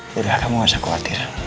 yaudah kamu nggak usah khawatir